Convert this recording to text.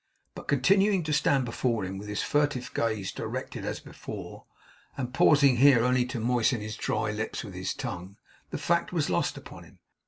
But continuing to stand before him, with his furtive gaze directed as before, and pausing here only to moisten his dry lips with his tongue, the fact was lost upon him.